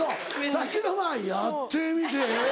さっきの「やってみて」